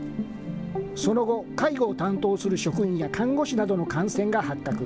その後、介護を担当する職員や看護師などの感染が発覚。